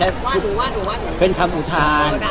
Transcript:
ว่าดูว่าดูว่าดูเป็นคำอุทาน